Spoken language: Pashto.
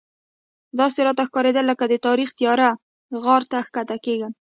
داسې راته ښکارېدل لکه د تاریخ تیاره غار ته ښکته کېږم.